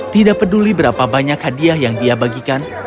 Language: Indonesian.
tidak peduli berapa banyak hadiah yang dia bagikan